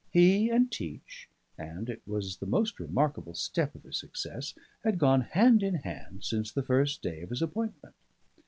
He and Teach (and it was the most remarkable step of his success) had gone hand in hand since the first day of his appointment.